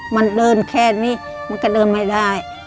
มันเดินแค่นี้มันก็เดินไม่ได้